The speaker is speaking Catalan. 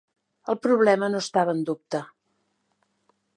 El problema no estava en dubte.